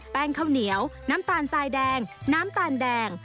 ข้าวเหนียวน้ำตาลทรายแดงน้ำตาลแดง